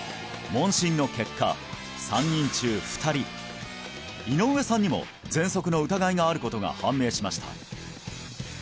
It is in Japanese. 問診の結果３人中２人井上さんにも喘息の疑いがあることが判明しました